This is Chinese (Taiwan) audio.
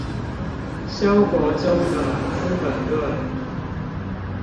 生活中的資本論